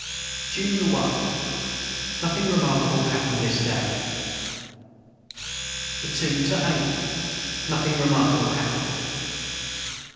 June the 1. Nothing remarkable hapened this day. the 2 8. Nothing remarkable hapened.